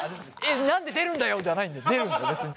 何で出るんだよじゃないんだよ出るんだよ別に。